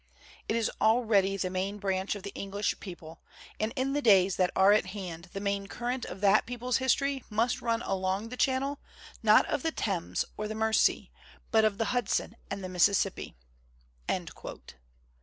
It is already the main branch of the English people; and in the days that are at hand the main cur rent of that people's history must run along the chanru'I, not of tin* Thames or the Mersey, but of the Hudson and the Mississippi." 65 WHAT IS AMERICAN LITERATURE?